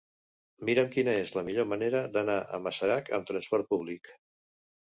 Mira'm quina és la millor manera d'anar a Masarac amb trasport públic.